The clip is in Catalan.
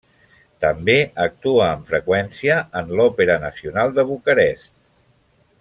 També actua amb freqüència en l'Opera nacional de Bucarest.